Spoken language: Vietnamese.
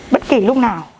bất kỳ lúc nào